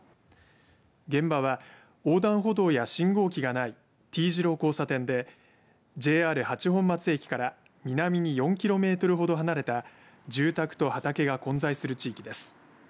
現場は横断歩道や信号機がない丁字路交差点でＪＲ八本松駅から南に４キロメートルほど離れた住宅と畑が混在する地域です。